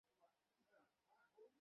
Sir, এখন এখানে কে আসবে, স্যার?